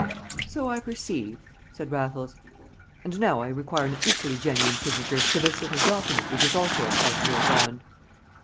"So I perceive," said Raffles. "And now I require an equally genuine signature to this little document which is also a part of your bond."